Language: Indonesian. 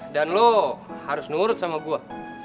dan lo harus nurut sama gua